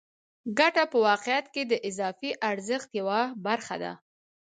ګته په واقعیت کې د اضافي ارزښت یوه برخه ده